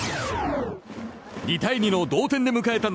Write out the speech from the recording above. ２対２の同点で迎えた